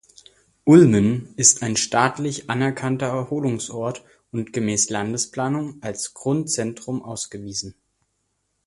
Ulmen ist ein staatlich anerkannter Erholungsort und gemäß Landesplanung als Grundzentrum ausgewiesen.